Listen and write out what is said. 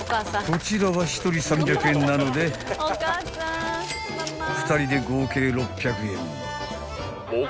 ［こちらは１人３００円なので２人で合計６００円］